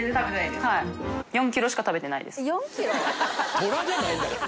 トラじゃないんだから。